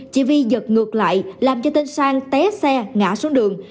chỉ vi giật ngược lại làm cho tên sang té xe ngã xuống đường